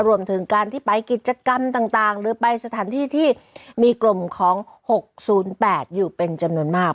รวมถึงการที่ไปกิจกรรมต่างหรือไปสถานที่ที่มีกลุ่มของ๖๐๘อยู่เป็นจำนวนมาก